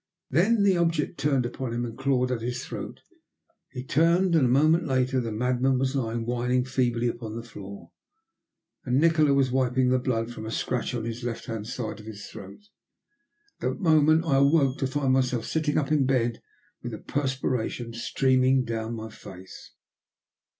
Then the object sprang upon him and clawed at his throat. He turned, and, a moment later, the madman was lying, whining feebly, upon the floor, and Nikola was wiping the blood from a scratch on the left hand side of his throat. At that moment I awoke to find myself sitting up in bed, with the perspiration streaming down my face.